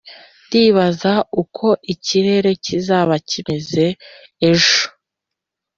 ndibaza uko ikirere kizaba kimeze ejo.